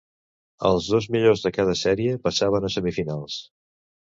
Els dos millors de cada sèrie passaven a semifinals.